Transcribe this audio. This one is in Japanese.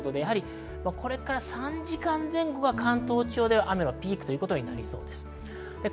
これから３時間前後が関東地方では雨のピークとなりそうです。